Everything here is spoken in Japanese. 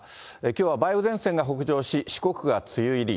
きょうは梅雨前線が北上し、四国が梅雨入り。